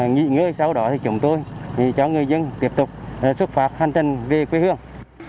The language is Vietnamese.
nghị ngươi sau đó thì chúng tôi cho người dân tiếp tục xuất phạt hành trình về quê hương